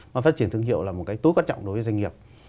mà phát triển thương hiệu là một cái tố quan trọng đối với doanh nghiệp